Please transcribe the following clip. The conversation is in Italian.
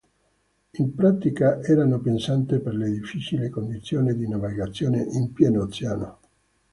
In pratica erano pensate per le difficili condizioni di navigazione in pieno oceano.